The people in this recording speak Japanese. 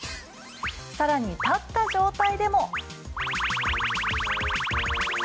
更に、立った状態でも。